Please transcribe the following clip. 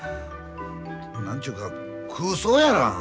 何ちゅうか空想やら。